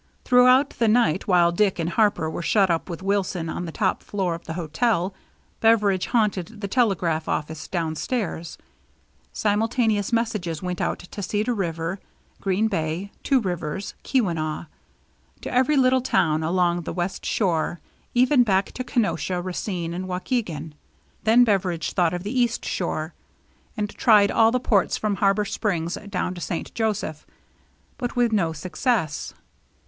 Throughout the night, while Dick and Harper were shut up with Wilson on the top floor of the hotel, Beveridge haunted the telegraph ofiice down stairs. Simultaneous messages went out to Cedar River, Green Bay, Two Rivers, Kewau nee, — to every little town along the west shore, even back to Kenosha, Racine, and Waukegan. Then Beveridge thought of the east shore, and tried all the ports from Harbor Springs down to St. Joseph, but with no success.